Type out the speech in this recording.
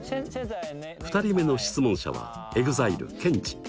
２人目の質問者はＥＸＩＬＥケンチ。